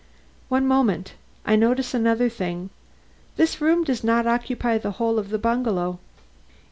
"One moment. I notice another thing. This room does not occupy the whole of the bungalow."